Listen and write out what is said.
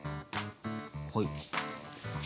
はい。